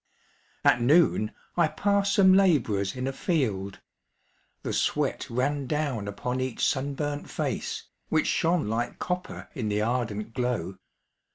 At noon I passed some labourers in a field. The sweat ran down upon each sunburnt face, Which shone like copper in the ardent glow.